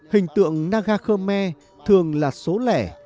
hình tượng naga khơ me thường là số lẻ